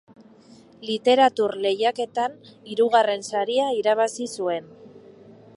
Literatur lehiaketan hirugarren saria irabazi zuen.